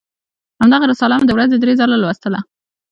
همدغه رساله مې د ورځې درې ځله لوستله.